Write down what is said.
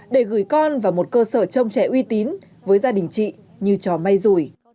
để gửi con vào một cơ sở trông trẻ uy tín với gia đình chị như trò may rủi